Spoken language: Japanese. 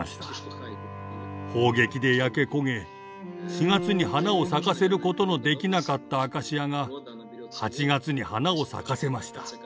砲撃で焼け焦げ４月に花を咲かせることのできなかったアカシアが８月に花を咲かせました。